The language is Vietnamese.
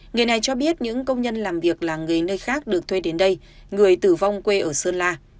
người này cho biết những công nhân làm việc là người nơi khác được thuê đến đây người tử vong quê ở sơn la